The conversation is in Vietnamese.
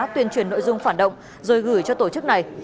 tuyên truyền nội dung phản động rồi gửi cho tổ chức này